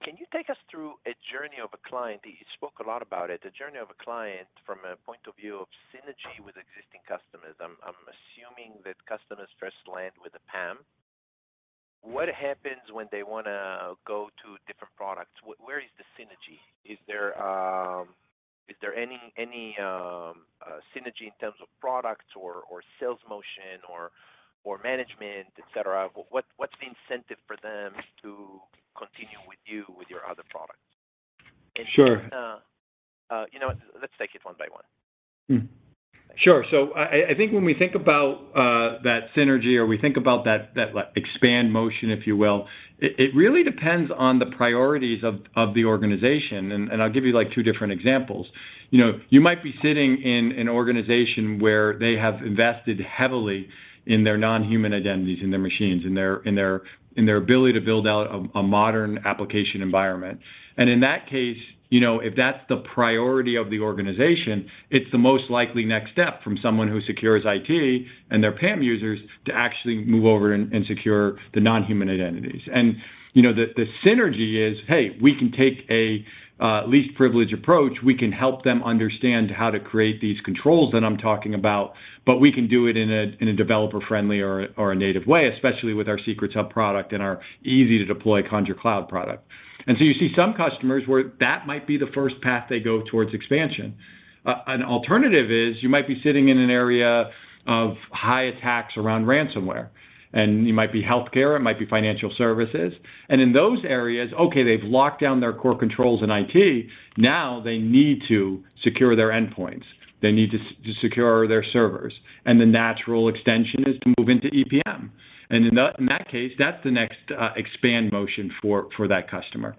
can you take us through a journey of a client, you spoke a lot about it, the journey of a client from a point of view of synergy with existing customers? I'm assuming that customers first land with a PAM. What happens when they wanna go to different products? Where is the synergy? Is there any synergy in terms of products or sales motion or management, et cetera? What's the incentive for them to continue with you with your other products? Sure. You know what? Let's take it one by one. Hmm. Sure. So I think when we think about that synergy, or we think about that like expand motion, if you will, it really depends on the priorities of the organization. And I'll give you like two different examples. You know, you might be sitting in an organization where they have invested heavily in their non-human identities, in their machines, in their ability to build out a modern application environment. And in that case, you know, if that's the priority of the organization, it's the most likely next step from someone who secures IT and their PAM users to actually move over and secure the non-human identities. And you know, the synergy is, hey, we can take a least privilege approach. We can help them understand how to create these controls that I'm talking about, but we can do it in a developer-friendly or a native way, especially with our Secrets Hub product and our easy-to-deploy Conjur Cloud product. And so you see some customers where that might be the first path they go towards expansion. An alternative is you might be sitting in an area of high attacks around ransomware, and you might be healthcare, it might be financial services. And in those areas, okay, they've locked down their core controls in IT. Now they need to secure their endpoints. They need to secure their servers, and the natural extension is to move into EPM. And in that case, that's the next expand motion for that customer.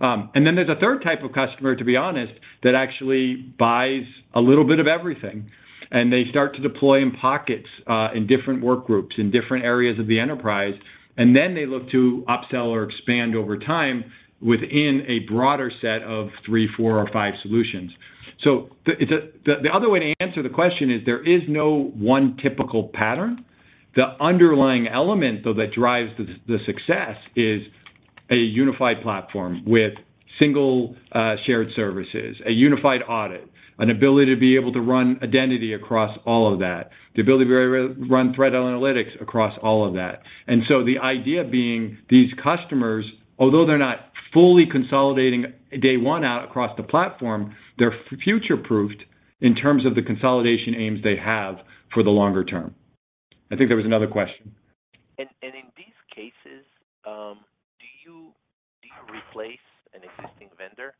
And then there's a third type of customer, to be honest, that actually buys a little bit of everything, and they start to deploy in pockets, in different workgroups, in different areas of the enterprise, and then they look to upsell or expand over time within a broader set of three, four, or five solutions. So the other way to answer the question is, there is no one typical pattern. The underlying element, though, that drives the success is a unified platform with single shared services, a unified audit, an ability to be able to run identity across all of that, the ability to be able to run threat analytics across all of that. And so the idea being, these customers, although they're not fully consolidating day one out across the platform, they're future-proofed in terms of the consolidation aims they have for the longer term. I think there was another question. In these cases, do you replace an existing vendor,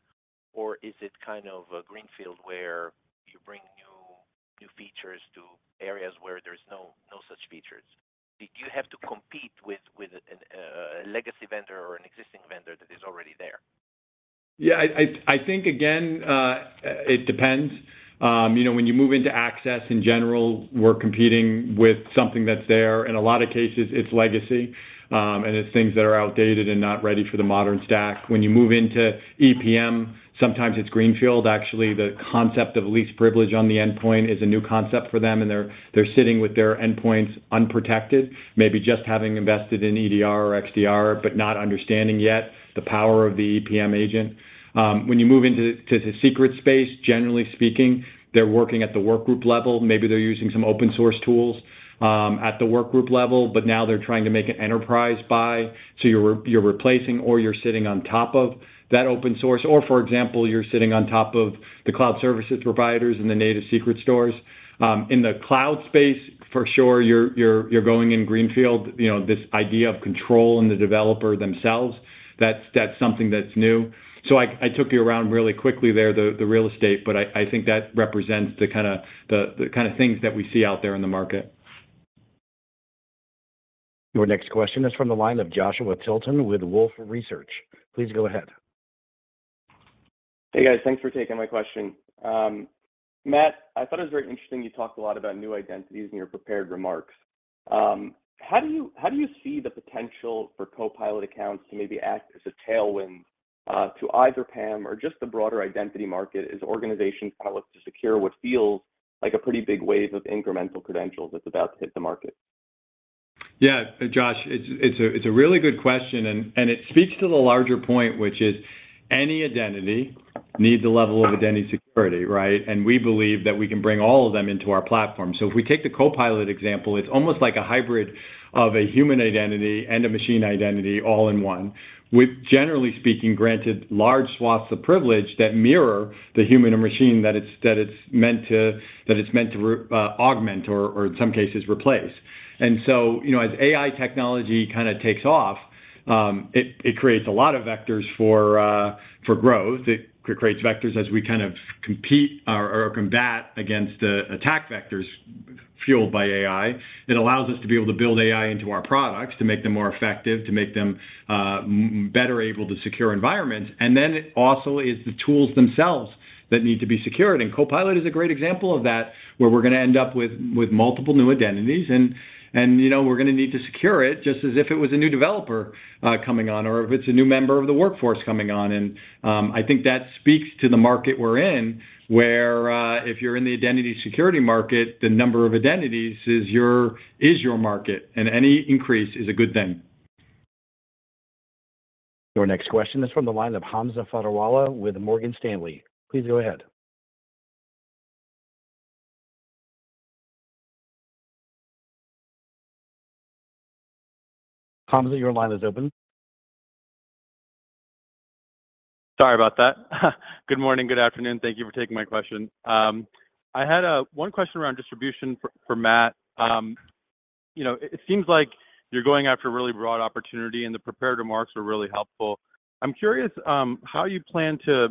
or is it kind of a greenfield, where you bring new features to areas where there's no such features? Do you have to compete with a legacy vendor or an existing vendor that is already there? Yeah, I think, again, it depends. You know, when you move into access, in general, we're competing with something that's there. In a lot of cases, it's legacy, and it's things that are outdated and not ready for the modern stack. When you move into EPM, sometimes it's greenfield. Actually, the concept of least privilege on the endpoint is a new concept for them, and they're sitting with their endpoints unprotected, maybe just having invested in EDR or XDR, but not understanding yet the power of the EPM agent. When you move into the secret space, generally speaking, they're working at the workgroup level. Maybe they're using some open source tools at the workgroup level, but now they're trying to make an enterprise buy, so you're replacing or you're sitting on top of that open source. Or, for example, you're sitting on top of the cloud services providers in the native secret stores. In the cloud space, for sure, you're going in greenfield. You know, this idea of control and the developer themselves, that's something that's new. So I took you around really quickly there, the real estate, but I think that represents the kinda things that we see out there in the market. Your next question is from the line of Joshua Tilton with Wolfe Research. Please go ahead. Hey, guys. Thanks for taking my question. Matt, I thought it was very interesting you talked a lot about new identities in your prepared remarks. How do you, how do you see the potential for Copilot accounts to maybe act as a tailwind, to either PAM or just the broader identity market, as organizations pilot to secure what feels like a pretty big wave of incremental credentials that's about to hit the market? Yeah, Josh, it's a really good question, and it speaks to the larger point, which is any identity needs a level of identity security, right? And we believe that we can bring all of them into our platform. So if we take the Copilot example, it's almost like a hybrid of a human identity and a machine identity all in one, with, generally speaking, granted large swaths of privilege that mirror the human and machine that it's meant to augment or, or in some cases, replace. And so, you know, as AI technology kinda takes off, it creates a lot of vectors for growth. It creates vectors as we kind of compete or, or combat against the attack vectors fueled by AI. It allows us to be able to build AI into our products, to make them more effective, to make them better able to secure environments, and then it also is the tools themselves that need to be secured. And Copilot is a great example of that, where we're gonna end up with multiple new identities, and you know, we're gonna need to secure it just as if it was a new developer coming on, or if it's a new member of the workforce coming on. And I think that speaks to the market we're in, where if you're in the identity security market, the number of identities is your market, and any increase is a good thing. Your next question is from the line of Hamza Fodderwala with Morgan Stanley. Please go ahead. Hamza, your line is open. Sorry about that. Good morning, good afternoon. Thank you for taking my question. I had one question around distribution for Matt. You know, it seems like you're going after a really broad opportunity, and the prepared remarks were really helpful. I'm curious, how you plan to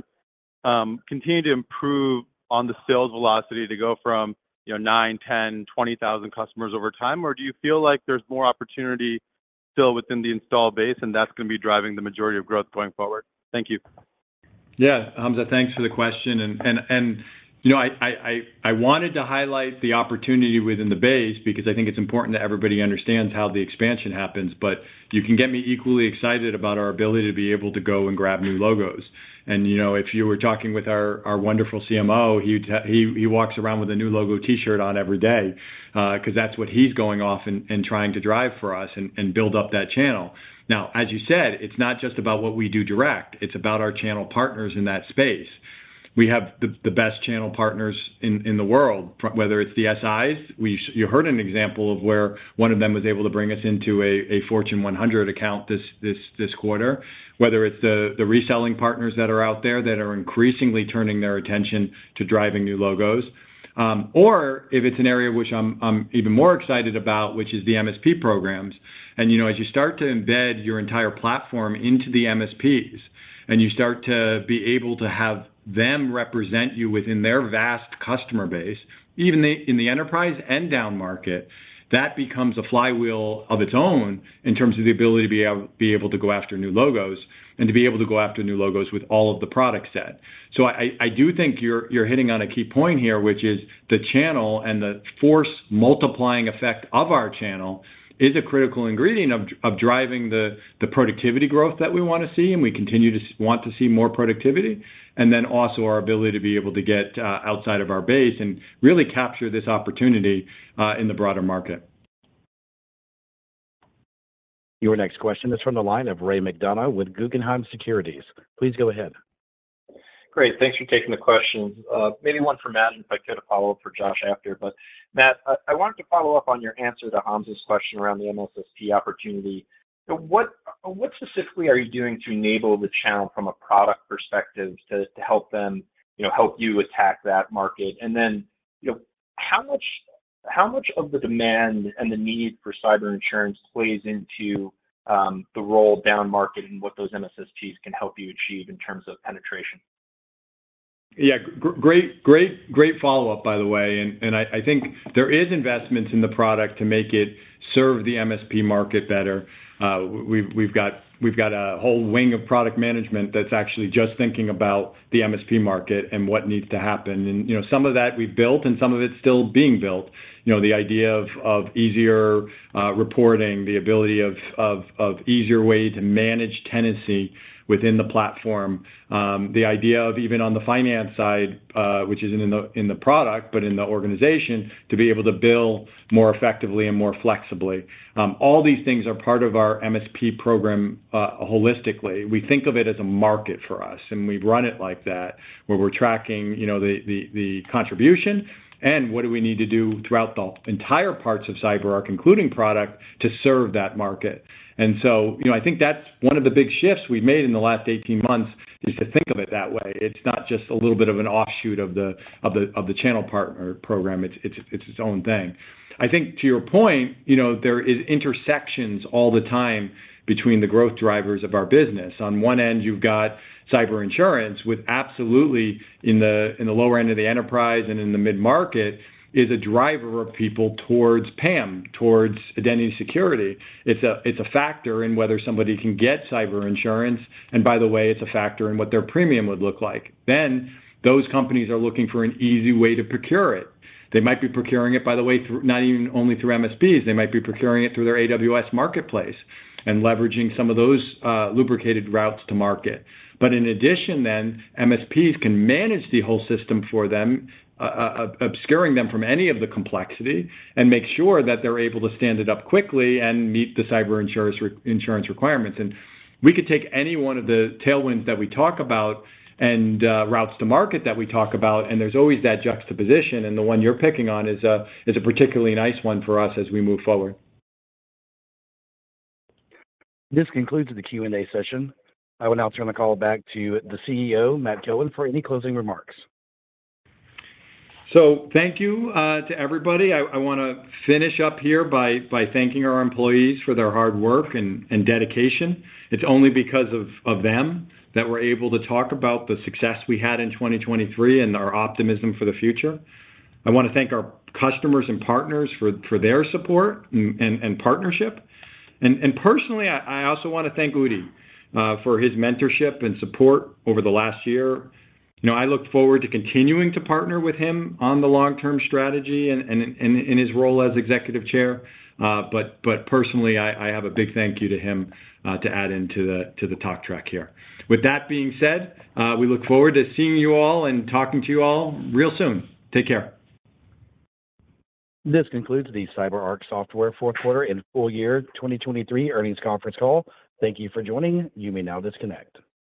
continue to improve on the sales velocity to go from, you know, 9, 10, 20,000 customers over time, or do you feel like there's more opportunity still within the install base, and that's gonna be driving the majority of growth going forward? Thank you. Yeah, Hamza, thanks for the question. And you know, I wanted to highlight the opportunity within the base because I think it's important that everybody understands how the expansion happens. But you can get me equally excited about our ability to be able to go and grab new logos. And, you know, if you were talking with our wonderful CMO, he'd, he walks around with a new logo T-shirt on every day, 'cause that's what he's going off and trying to drive for us and build up that channel. Now, as you said, it's not just about what we do direct, it's about our channel partners in that space. We have the best channel partners in the world, whether it's the SIs, you heard an example of where one of them was able to bring us into a Fortune 100 account this quarter. Whether it's the reselling partners that are out there that are increasingly turning their attention to driving new logos. Or if it's an area which I'm even more excited about, which is the MSP programs. You know, as you start to embed your entire platform into the MSPs, and you start to be able to have them represent you within their vast customer base, even in the enterprise and down market, that becomes a flywheel of its own in terms of the ability to be able to go after new logos and to be able to go after new logos with all of the product set. So I do think you're hitting on a key point here, which is the channel and the force multiplying effect of our channel is a critical ingredient of driving the productivity growth that we want to see, and we continue to want to see more productivity, and then also our ability to be able to get outside of our base and really capture this opportunity in the broader market. Your next question is from the line of Ray McDonough with Guggenheim Securities. Please go ahead. Great, thanks for taking the questions. Maybe one for Matt, and if I could, a follow-up for Josh after. But Matt, I wanted to follow up on your answer to Hamza's question around the MSSP opportunity. So what specifically are you doing to enable the channel from a product perspective to help them, you know, help you attack that market? And then, you know, how much of the demand and the need for cyber insurance plays into the role down market and what those MSSPs can help you achieve in terms of penetration? Yeah, great, great, great follow-up, by the way, and I think there is investments in the product to make it serve the MSP market better. We've got a whole wing of product management that's actually just thinking about the MSP market and what needs to happen. You know, some of that we've built and some of it's still being built. You know, the idea of easier reporting, the ability of easier way to manage tenancy within the platform. The idea of even on the finance side, which isn't in the product, but in the organization, to be able to bill more effectively and more flexibly. All these things are part of our MSP program holistically. We think of it as a market for us, and we run it like that, where we're tracking, you know, the contribution and what do we need to do throughout the entire parts of CyberArk, including product, to serve that market. So, you know, I think that's one of the big shifts we've made in the last 18 months, is to think of it that way. It's not just a little bit of an offshoot of the channel partner program. It's its own thing. I think to your point, you know, there is intersections all the time between the growth drivers of our business. On one end, you've got cyber insurance, with absolutely in the lower end of the enterprise and in the mid-market, is a driver of people towards PAM, towards identity and security. It's a factor in whether somebody can get cyber insurance, and by the way, it's a factor in what their premium would look like. Then, those companies are looking for an easy way to procure it. They might be procuring it, by the way, through not even only through MSPs. They might be procuring it through their AWS Marketplace and leveraging some of those lubricated routes to market. But in addition then, MSPs can manage the whole system for them, obscuring them from any of the complexity and make sure that they're able to stand it up quickly and meet the cyber insurance reinsurance requirements. We could take any one of the tailwinds that we talk about and routes to market that we talk about, and there's always that juxtaposition, and the one you're picking on is a particularly nice one for us as we move forward. This concludes the Q&A session. I will now turn the call back to the CEO, Matt Cohen, for any closing remarks. So thank you to everybody. I wanna finish up here by thanking our employees for their hard work and dedication. It's only because of them that we're able to talk about the success we had in 2023 and our optimism for the future. I wanna thank our customers and partners for their support and partnership. And personally, I also wanna thank Udi for his mentorship and support over the last year. You know, I look forward to continuing to partner with him on the long-term strategy and in his role as executive chair. But personally, I have a big thank you to him to add into the talk track here. With that being said, we look forward to seeing you all and talking to you all real soon. Take care. This concludes the CyberArk Software fourth quarter and full year 2023 earnings conference call. Thank you for joining. You may now disconnect.